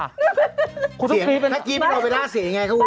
ถ้าครูกรี๊ดเป็นโอเบร่าเสียอย่างไรเข้าบุญ